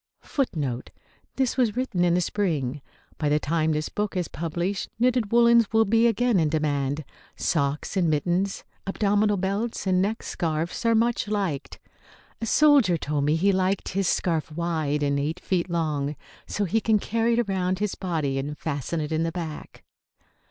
[Footnote B: This was written in the spring. By the time this book is published knitted woollens will be again in demand. Socks and mittens, abdominal belts and neck scarfs are much liked. A soldier told me he liked his scarf wide, and eight feet long, so he can carry it around his body and fasten it in the back.